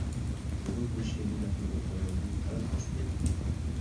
سىزنىڭ بۇ شېئىرنى ياقتۇرۇپ ئوقۇغىنىڭىزدىن قەۋەت خۇش بولدۇم.